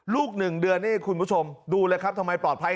ลูก๑เดือนนะครับคุณผู้ชมดูเลยทำไมปลอดภัย